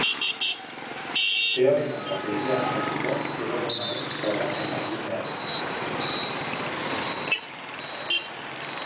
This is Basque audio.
Teorema bat egiaztatzeko teoremaren frogapena egin behar da.